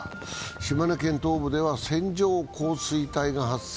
島根県東部では線状降水帯が発生